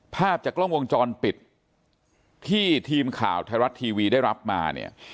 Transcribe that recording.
ภาพจากกล้องวงจรปิดที่ทีมข่าวไทยรัฐทีวีได้รับมาเนี่ย